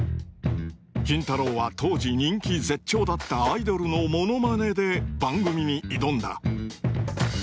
キンタロー。は当時人気絶頂だったアイドルのモノマネで番組に挑んだ。